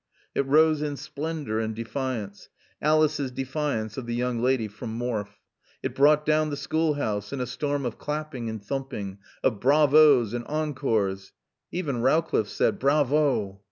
It rose in splendor and defiance; Alice's defiance of the young lady from Morfe. It brought down the schoolhouse in a storm of clapping and thumping, of "Bravos" and "Encores." Even Rowcliffe said, "Bravo!"